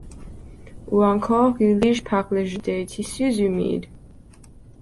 Ou encore il fige par le gel des tissus humides.